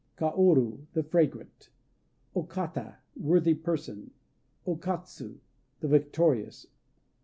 Kaoru "The Fragrant." O Kata "Worthy Person." O Katsu "The Victorious."